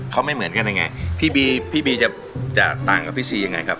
เขาไม่เหมือนกันยังไงพี่บีพี่บีจะจะต่างกับพี่ซียังไงครับ